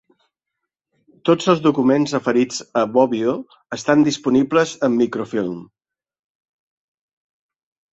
Tots els documents referits a Bobbio estan disponibles en microfilm.